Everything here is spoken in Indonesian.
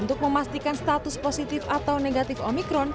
untuk memastikan status positif atau negatif omikron